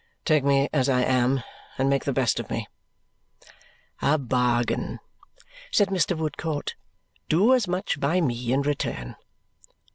Take me as I am, and make the best of me." "A bargain," said Mr. Woodcourt. "Do as much by me in return."